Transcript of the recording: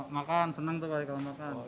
makan senang tuh kalau makan